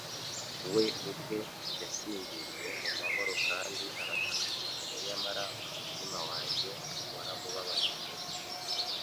We ubwe yasinziriye mu mahoro kandi arataka cyane, nyamara umutima wanjye waramubabaje, mubi